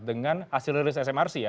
dengan hasil rilis smrc ya